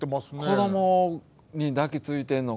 子どもに抱きついてんのかな？